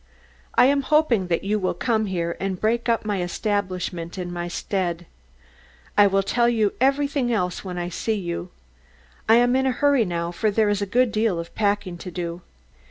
I am hoping that you will come here and break up my establishment in my stead. I will tell you everything else when I see you. I am in a hurry now, for there is a good deal of packing to do.